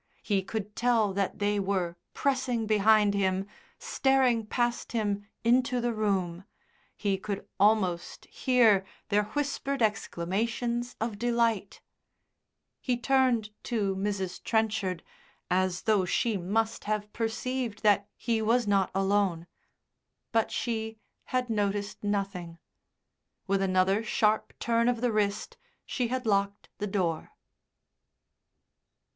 He could tell that they were pressing behind him, staring past him into the room, he could almost hear their whispered exclamations of delight. He turned to Mrs. Trenchard as though she must have perceived that he was not alone. But she had noticed nothing; with another sharp turn of the wrist she had locked the door.